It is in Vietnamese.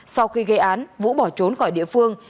sau khi gây án vũ bỏ trốn khỏi địa phương